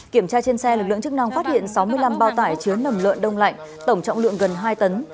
kiểm tra trên xe lực lượng chức năng phát hiện sáu mươi năm bao tải chứa nầm lợn đông lạnh tổng trọng lượng gần hai tấn